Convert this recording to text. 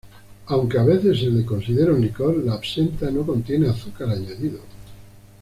Aunque a veces se la considera un licor, la absenta no contiene azúcar añadido.